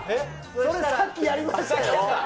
それ、さっきやりましたよ。